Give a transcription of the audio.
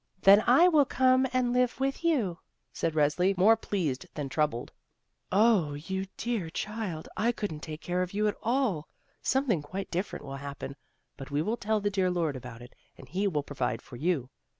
"Then I will come and live with you," said Resli, more pleased than troubled. "Oh, you dear child, I couldn't take care of you at all — something quite different will hap pen; but we will tell the dear Lord about it, and He will provide for you.